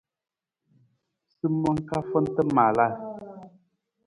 Simang ka fanta maalaa.